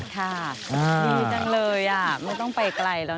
ดีจังเลยอ่ะไม่ต้องไปไกลแล้ว